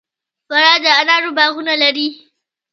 فراه د انارو باغونه لري